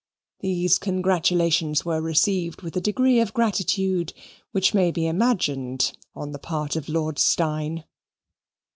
These congratulations were received with a degree of gratitude which may be imagined on the part of Lord Steyne.